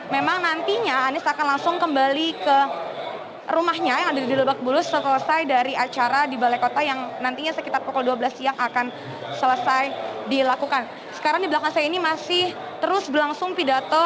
setelah itu anies disambut